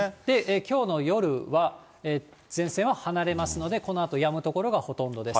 きょうの夜は前線は離れますので、このあとやむ所がほとんどです。